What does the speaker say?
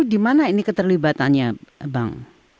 dimana ini keterlibatannya bang